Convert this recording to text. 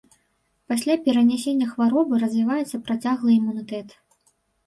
Пасля перанясення хваробы развіваецца працяглы імунітэт.